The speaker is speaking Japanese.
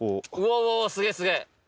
おおすげえすげえ！